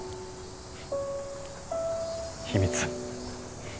秘密。